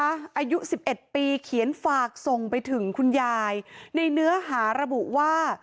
อายุ๑๑ปีเขียนฝากส่งไปถึงคุณยายในเนื้อหาระบุว่า